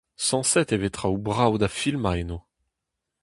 Sañset e vez traoù brav da filmañ eno.